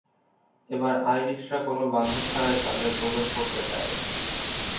এবার আইরিশরা কোন বাধা ছাড়াই তাদের প্রবেশ করতে দেয়।